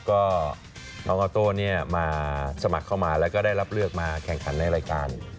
ก็น้องออโต้มาสมัครเข้ามาแล้วก็ได้รับเลือกมาแข่งขันในรายการ